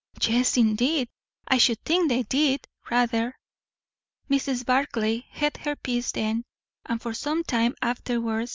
"Yes, indeed; I should think they did. Rather!" Mrs. Barclay held her peace then, and for some time afterwards.